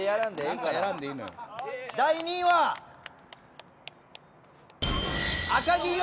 第２位は赤木裕。